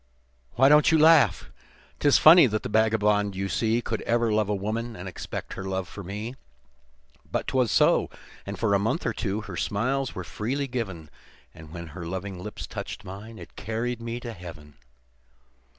"Why don't you laugh? 'Tis funny that the vagabond you see Could ever love a woman, and expect her love for me; But 'twas so, and for a month or two, her smiles were freely given, And when her loving lips touched mine, it carried me to Heaven.